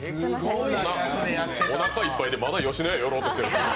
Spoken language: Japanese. おなかいっぱいでまだ吉野家、寄ろうとしてる。